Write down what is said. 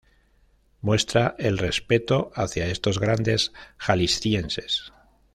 Muestra el respeto hacia estos grandes Jaliscienses.